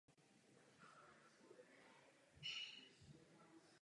Doufají v laskavost Hospodina.